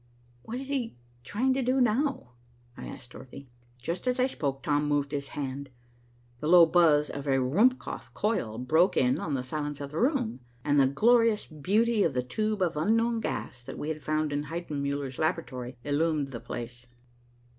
"What is he trying to do now?" I asked Dorothy. Just as I spoke, Tom moved his hand, the low buzz of a Ruhmkoff coil broke in on the silence of the room, and the glorious beauty of the tube of unknown gas that we had found in Heidenmuller's laboratory illumined the place.